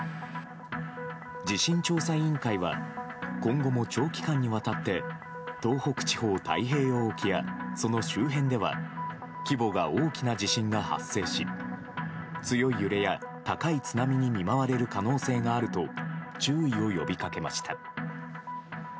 地震調査委員会は今後も長期間にわたって東北地方太平洋沖やその周辺では規模が大きな地震が発生し強い揺れや高い津波に見舞われる可能性があると注意を呼びかけました。